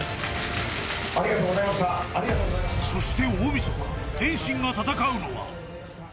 ［そして大晦日天心が戦うのは］